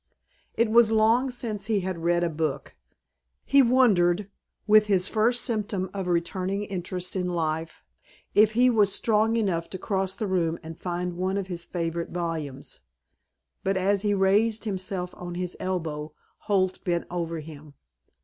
It was long since he had read a book! He wondered, with his first symptom of returning interest in life, if he was strong enough to cross the room and find one of his favorite volumes. But as he raised himself on his elbow Holt bent over him.